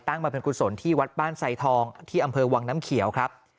มาเป็นกุศลที่วัดบ้านไซทองที่อำเภอวังน้ำเขียวครับ